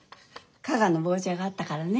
加賀の棒茶があったからね。